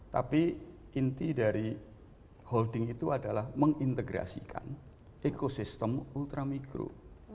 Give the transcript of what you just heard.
tapi inti dari holding itu adalah mengintegrasikan ekosistem ultramikro